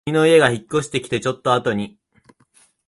君の家が引っ越してきたちょっとあとに